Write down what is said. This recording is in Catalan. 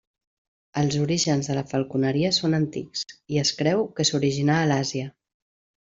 Els orígens de la falconeria són antics, i es creu que s'originà a l'Àsia.